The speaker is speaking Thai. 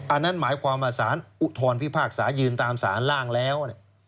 อันนั้นหมายความว่าสารอุทธรพิพากษายืนตามสารล่างแล้ว